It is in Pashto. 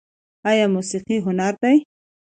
آیا موسیقي هنر دی؟